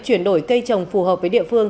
chuyển đổi cây trồng phù hợp với địa phương